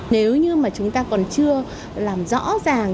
nếu như mà chúng ta còn chưa làm rõ ràng